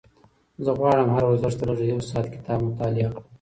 زه غواړم هره ورځ لږترلږه یو ساعت کتاب مطالعه کړم.